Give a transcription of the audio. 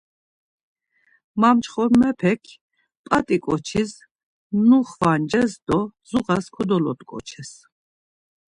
Mamçxomepek p̌at̆i ǩoçis nuxvances do zuğas kodolot̆ǩoçes.